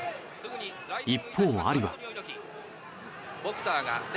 一方、アリは。